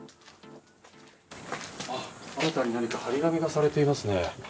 何か張り紙がされていますね。